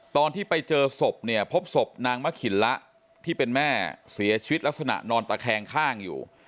ตอนที่ไปเจอศพเนี่ยพบศพนางมะขินละที่เป็นแม่เสียชีวิตลักษณะนอนตะแคงข้างอยู่